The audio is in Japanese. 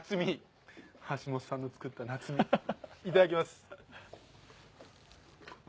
橋本さんの作った夏珠いただきます。